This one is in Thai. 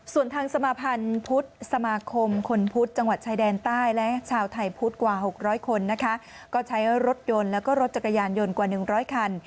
ส่วนทางสมาพันธ์พุทธสมาคมคนพุทธจังหวัดชายแดนใต้และชาวไทยพุทธกว่า๖๐๐คนนะคะก็ใช้รถยนต์แล้วก็รถจักรยานยนต์กว่า๑๐๐คัน